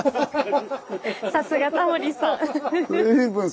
さすがタモリさん。